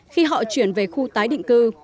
khi họ chuyển về khu tái định cư